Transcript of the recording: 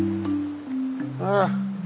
ああ。